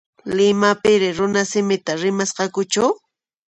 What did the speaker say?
Limapiri runasimita rimasqakuchu?